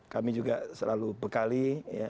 kami juga selalu bekali